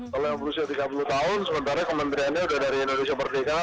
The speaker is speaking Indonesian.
kalau yang berusia tiga puluh tahun sementara kementeriannya sudah dari indonesia merdeka